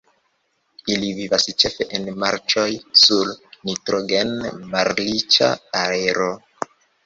Ili vivas ĉefe en marĉoj, sur nitrogen-malriĉa aero.